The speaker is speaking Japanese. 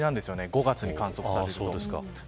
５月に観測されるのは。